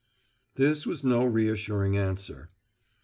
This was no reassuring answer.